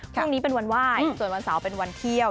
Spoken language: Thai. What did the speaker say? พรุ่งนี้เป็นวันไหว้ส่วนวันเสาร์เป็นวันเที่ยว